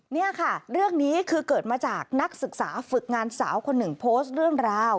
นี่ค่ะเรื่องนี้คือเกิดมาจากนักศึกษาฝึกงานสาวคนหนึ่งโพสต์เรื่องราว